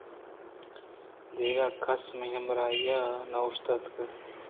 دگہ کس منی ہمراہی ءَ نہ اوشتاتگ